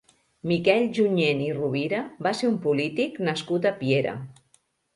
Miquel Junyent i Rovira va ser un polític nascut a Piera.